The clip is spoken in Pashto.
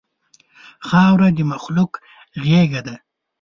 خاوره د مخلوق غېږه ده.